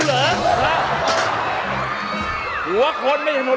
อ้าวเป็นอย่างไรลูก